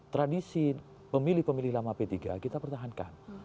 tradisi pemilih pemilih lama p tiga kita pertahankan